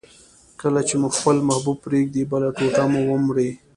کله چي مو خپل محبوب پرېږدي، بله ټوټه مو ومري.